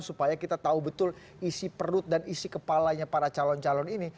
supaya kita tahu betul isi perut dan isi kepalanya para calon calon ini